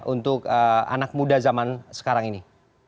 untuk anak muda zaman sekarang ini